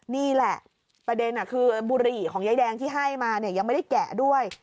นี่แหละประเด็นคือบุหรี่ของยายแดงที่ให้มาเนี่ยยังไม่ได้แกะด้วย